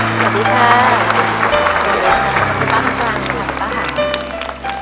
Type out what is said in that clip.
สวัสดีค่ะ